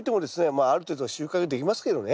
まあある程度は収穫できますけどね。